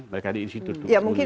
mereka ada di situ